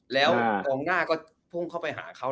แล้วกองหน้าก็พุ่งเข้าไปหาเขา